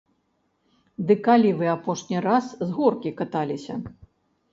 Ды калі вы апошні раз з горкі каталіся?